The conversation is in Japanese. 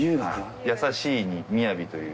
「優しい」に「雅」という。